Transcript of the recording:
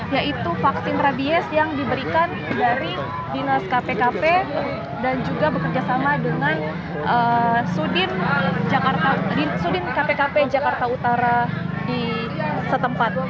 yaitu vaksin rabies yang diberikan dari dinas kpkp dan juga bekerjasama dengan sudin kpkp jakarta utara di setempat